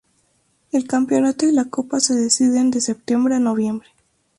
El campeonato y la copa se deciden de septiembre a noviembre.